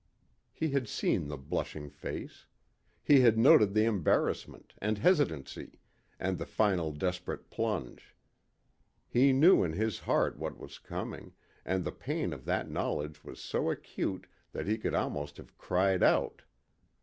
He had seen the blushing face. He had noted the embarrassment and hesitancy, and the final desperate plunge. He knew in his heart what was coming, and the pain of that knowledge was so acute that he could almost have cried out.